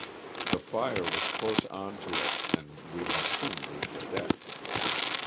The fire was close on to us and we must soon leave the deck.